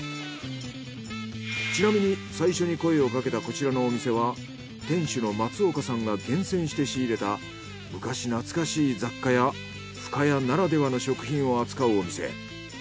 ちなみに最初に声をかけたこちらのお店は店主の松岡さんが厳選して仕入れた昔懐かしい雑貨や深谷ならではの食品を扱うお店。